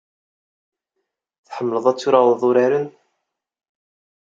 Tḥemmleḍ ad turareḍ uraren?